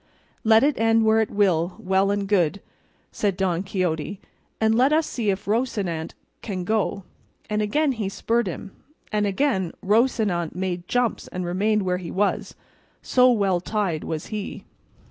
"Let it end where it will, well and good," said Don Quixote, "and let us see if Rocinante can go;" and again he spurred him, and again Rocinante made jumps and remained where he was, so well tied was he.